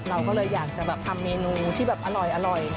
เราก็เลยอยากจะแบบทำเมนูที่แบบอร่อย